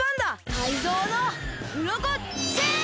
タイゾウのウロコチェーン！